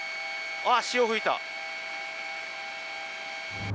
あっ、潮吹いた。